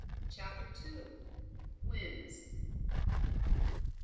CHAPTER II. WHIMS.